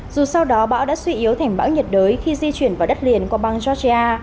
dù sau đó bão đã suy yếu thành bão nhiệt đới khi di chuyển vào đất liền qua bang georgia